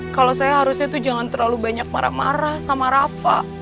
kalau saya harusnya itu jangan terlalu banyak marah marah sama rafa